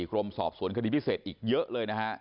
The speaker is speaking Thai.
กรมสอบสวนคดีพิเศษอีกเยอะเลยนะฮะ